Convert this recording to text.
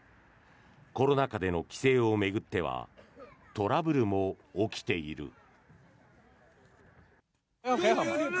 コロナ禍での帰省を巡ってはトラブルも起きている。